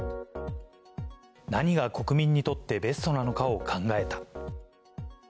何が国民にとってベストなのかを考えた。